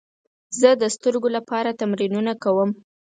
زه د سترګو لپاره تمرینونه کوم.